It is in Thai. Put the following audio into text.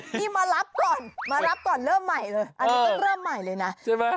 ที่มารับก่อนมารับก่อนเริ่มใหม่เลยอันนี้ต้องเริ่มใหม่เลยนะใช่ไหม